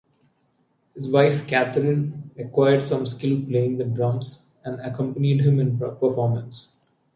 His wife Katherine acquired some skill playing the drums and accompanied him in performance.